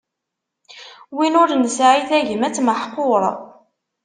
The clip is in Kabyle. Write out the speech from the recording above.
Win ur nesɛi tagmat, meḥquṛ.